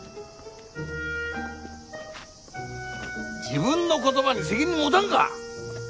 自分の言葉に責任持たんか！